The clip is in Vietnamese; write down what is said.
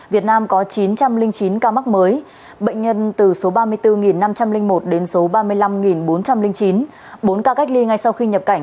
việt nam có chín trăm linh chín ca mắc mới bệnh nhân từ số ba mươi bốn năm trăm linh một đến số ba mươi năm bốn trăm linh chín bốn ca cách ly ngay sau khi nhập cảnh